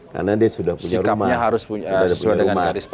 karena dia sudah punya rumah